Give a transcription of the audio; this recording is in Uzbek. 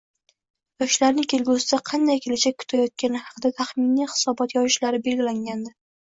Yyoshlarni kelgusida qanday kelajak kutayotgani haqida taxminiy hisobot yozishlari belgilangandi